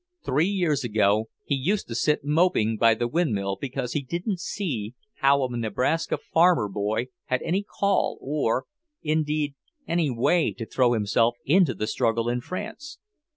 Three years ago he used to sit moping by the windmill because he didn't see how a Nebraska farmer boy had any "call," or, indeed, any way, to throw himself into the struggle in France.